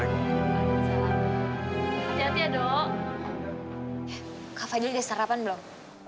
ya dong ke fadil sarapan belum